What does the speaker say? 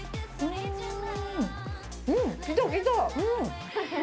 うん、きたきた。